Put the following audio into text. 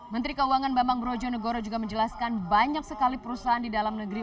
menteri keuangan bambang brojonegoro juga menjelaskan banyak sekali perusahaan di dalam negeri